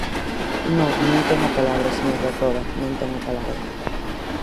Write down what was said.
Non, non ten a palabra, señor Dacova; non ten a palabra.